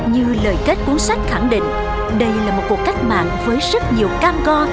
như lời kết cuốn sách khẳng định đây là một cuộc cách mạng với rất nhiều cam go